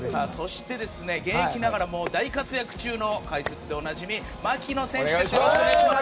現役ながらも大活躍中の解説でおなじみ槙野選手です